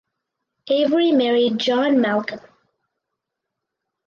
Avery married John Malcolm.